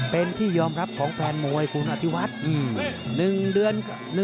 เป็นที่ยอมรับของแฟนมวยคุณอภิวัฒน์๑เดือน